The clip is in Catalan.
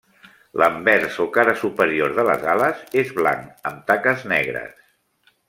L'anvers o cara superior de les ales és blanc amb taques negres.